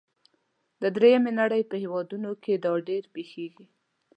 د دریمې نړۍ په هیوادونو کې دا ډیر پیښیږي.